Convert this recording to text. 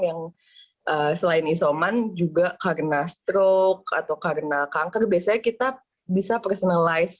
yang selain isoman juga karena stroke atau karena kanker biasanya kita bisa personalize